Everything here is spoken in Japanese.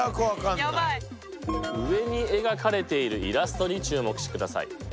上に描かれているイラストに注目してください。